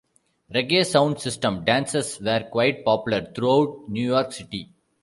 Reggae sound system dances were quite popular throughout New York City.